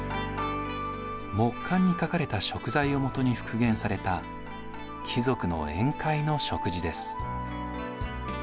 木簡に書かれた食材を基に復元された貴族の宴会の食事です。